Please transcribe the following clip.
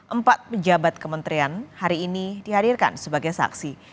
empat pejabat kementerian hari ini dihadirkan sebagai saksi